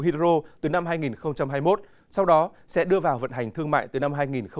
pin nhiên liệu hydro từ năm hai nghìn hai mươi một sau đó sẽ đưa vào vận hành thương mại từ năm hai nghìn hai mươi bốn